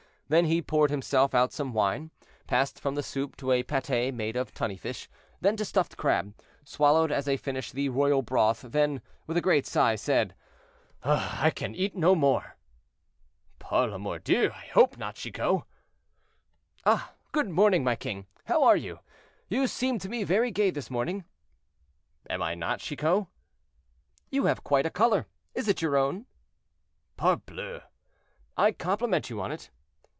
Then he poured himself out some wine, passed from the soup to a pâté made of tunny fish, then to stuffed crab, swallowed as a finish the royal broth, then, with a great sigh, said: "I can eat no more." "Par la mordieu! I hope not, Chicot." "Ah! good morning, my king. How are you? You seem to me very gay this morning." "Am I not, Chicot?" "You have quite a color; is it your own?" "Parbleu!" "I compliment you on it."